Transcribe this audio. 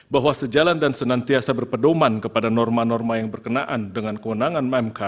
bahwa sejalan dan senantiasa berpedoman kepada norma norma yang berkenaan dengan kewenangan mk